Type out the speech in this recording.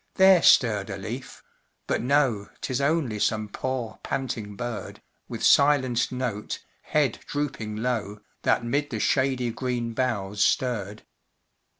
there stirred a leaf, but no, Tis only some poor, panting bird, With silenced note, head drooping low, That 'mid the shady green boughs stirred.